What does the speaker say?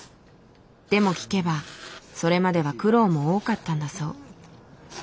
でも聞けばそれまでは苦労も多かったんだそう。